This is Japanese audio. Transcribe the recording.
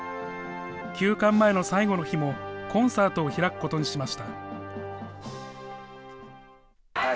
休館前の最後の日も、コンサートを開くことにしました。